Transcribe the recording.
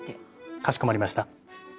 かしこまりました。